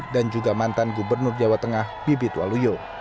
dan juga mantan gubernur jawa tengah bibit waluyo